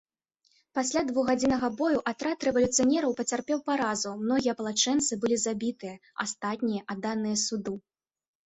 Пасля двухгадзіннага бою атрад рэвалюцыянераў пацярпеў паразу, многія апалчэнцы былі забітыя, астатнія адданыя суду.